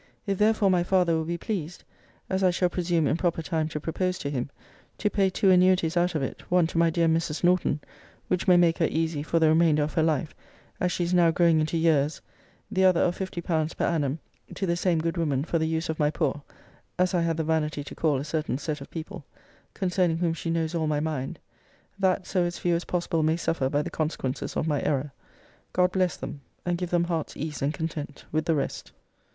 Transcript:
If therefore my father will be pleased (as I shall presume, in proper time, to propose to him) to pay two annuities out of it, one to my dear Mrs. Norton, which may make her easy for the remainder of her life, as she is now growing into years; the other of 50£. per annum, to the same good woman, for the use of my poor, as I had the vanity to call a certain set of people, concerning whom she knows all my mind; that so as few as possible may suffer by the consequences of my error; God bless them, and give them heart's ease and content, with the rest!